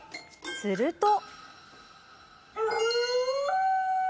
すると。